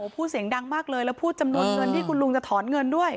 พูดเสียงดังมากเลยแล้วพูดจำนวนเงินที่คุณลุงจะถอนเงินด้วย